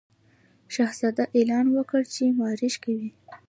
شهزاده اعلان وکړ چې مارش کوي.